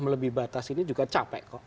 melebih batas ini juga capek kok